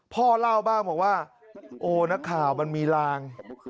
พ่อเล่าบ้างว่าว่าโอนห์นะข่ามันมีลาง